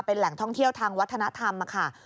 เป็นแหล่งท่องเที่ยวทางวัฒนธรรมค่ะ